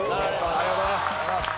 ありがとうございます。